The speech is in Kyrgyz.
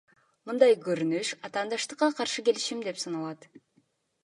Мындай көрүнүш атаандаштыкка каршы келишим деп саналат.